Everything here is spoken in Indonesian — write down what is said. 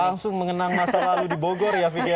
langsung mengenang masa lalu di bogor ya fik ya